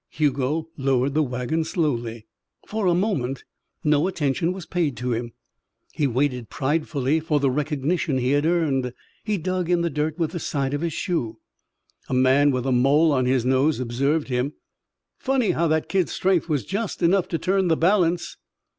Hugo lowered the wagon slowly. For a moment no attention was paid to him. He waited pridefully for the recognition he had earned. He dug in the dirt with the side of his shoe. A man with a mole on his nose observed him. "Funny how that kid's strength was just enough to turn the balance."